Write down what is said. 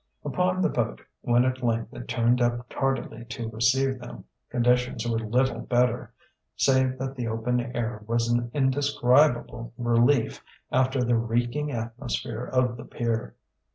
Upon the boat, when at length it turned up tardily to receive them, conditions were little better, save that the open air was an indescribable relief after the reeking atmosphere of the pier.